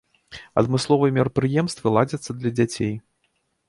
Адмысловыя мерапрыемствы ладзяцца для дзяцей.